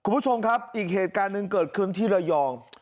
คุณผู้ชมครับอีกเหตุการณ์หนึ่งเกิดขึ้นที่ระยอง